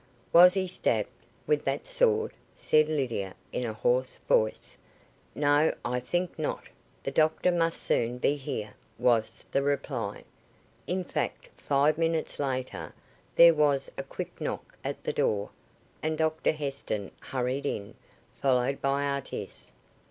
"Was he stabbed with that sword?" said Lydia, in a hoarse whisper. "No, I think not. The doctor must soon be here," was the reply. In fact, five minutes later there was a quick knock at the door, and Dr Heston hurried in, followed by Artis.